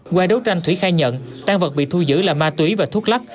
qua đấu tranh thủy khai nhận tan vật bị thu giữ là ma túy và thuốc lắc